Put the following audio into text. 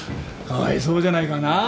かわいそうじゃないか。なあ？